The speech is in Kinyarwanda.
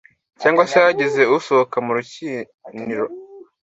cyangwa se hagize usohoka mu rukiniro.